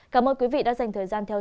cảm ơn quý vị đã dành thời gian theo dõi